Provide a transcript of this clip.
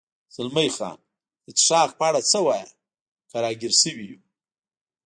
زلمی خان: د څښاک په اړه څه وایې؟ که را ګیر شوي یو.